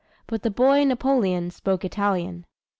But the boy Napoleon spoke Italian.